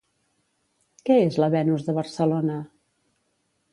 Què és la Venus de Barcelona?